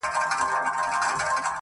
د ښكلا ميري د ښكلا پر كلي شــپه تېروم.